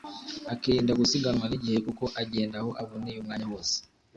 akirinda gusiganwa n’igihe kuko agenda aho aboneye umwanya hose